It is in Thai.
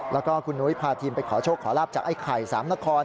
แล้วก็คุณนุ้ยพาทีมไปขอโชคขอลาบจากไอ้ไข่สามนคร